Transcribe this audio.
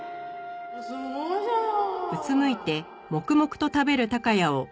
すごいじゃない！